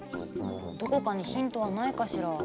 どこかにヒントはないかしら。